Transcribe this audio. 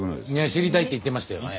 知りたいって言ってましたよ